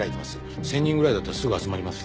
１０００人ぐらいだったらすぐ集まります。